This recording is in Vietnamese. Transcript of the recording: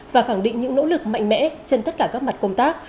và khẳng định những nỗ lực mạnh mẽ trên tất cả các mặt công tác